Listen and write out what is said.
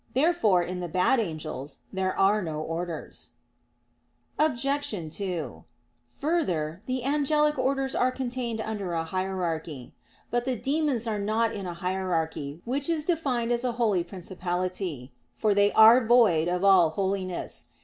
Therefore in the bad angels there are no orders. Obj. 2: Further, the angelic orders are contained under a hierarchy. But the demons are not in a hierarchy, which is defined as a holy principality; for they are void of all holiness.